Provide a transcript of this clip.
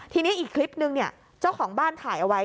ทีนี้อีกคลิปนึงเนี่ยเจ้าของบ้านถ่ายเอาไว้